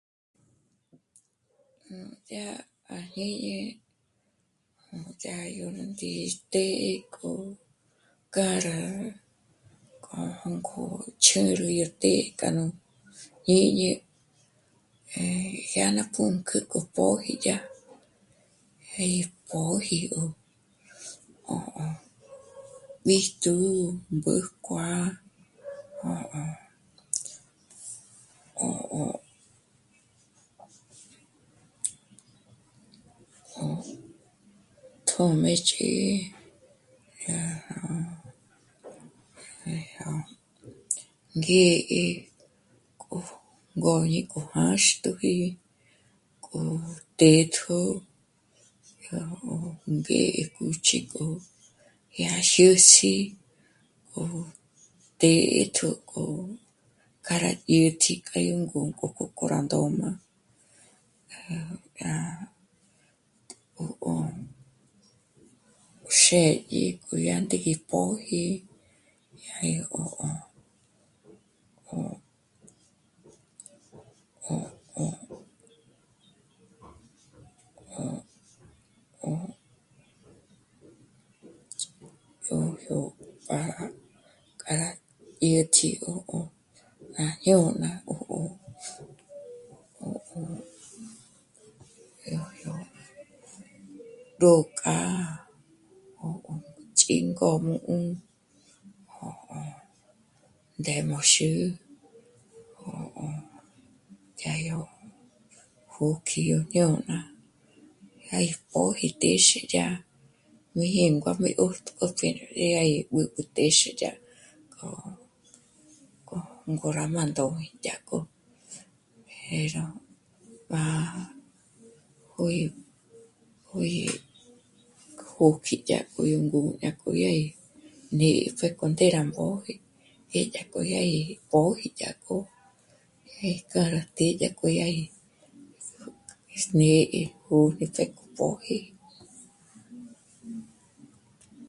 Núdya à jñíñi, núdya yó ndí'i të́'ë k'o k'âra k'o jônk'o chjǚrü yó të́'ë k'a nú jñíñi, eh... dyà ná pǔnk'ü k'o póji dyá 'é í póji yó 'ó, 'ó bíjtu mbǘjkua 'ó, 'ó, 'ó, 'ó, 'ó tjö̌mëch'i dyá rá... ngé'e ngôñi k'o jáxt'üji k'o të́'ëtjo, yó ngé'e kúchi k'o dyá jyés'i k'o të́'ëtjo k'o kja rá dyä̀tji k'a yó ngǘkjo k'o, k'o rá ndôm'a. Rá 'ó,'ó xë́dyi k'o dyá ndígi póji dyá í 'ó, 'ó, 'ó, 'ó, 'ó, 'ó, ó, yó, yó pá'a k'a rá dyä̀tji yó 'ó'o má jñôna 'ó'o, yó, yó d'ók'a 'ó'o ts'íngôm'ü, 'ó'o ndémoxü 'ó'o tjádyo jókji o jñôna yá í póji téxi yá mí jíngua mí 'ö́jtjü dyá í b'ǚb'ü téxi dyák'o, k'o, rá má ndóji dyá'k'o pero b'á, ó juí'i, juí'i jók'i dyá k'o gó ndú'u, dyák'o yá gí né'e pjék'o ndé rá móji, té dyá k'o dyá gí póji dyák'o, 'é k'a rá të́'ë yá k'o dyá gí, né'e jôn'ü pjék'o póji